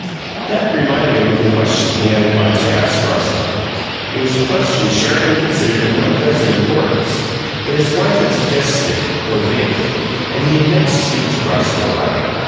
That reminded him of a question he had in mind to ask Roscoe. It was a question Sheridan considered of no present importance, but his wife had suggested it though vaguely and he had meant to speak to Roscoe about it.